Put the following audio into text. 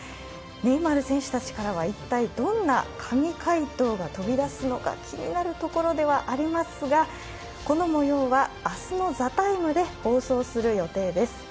ネイマール選手たちからは、一体どんな神回答が飛び出すのか気になるところではありますがこの模様は明日の「ＴＨＥＴＩＭＥ，」で放送する予定です。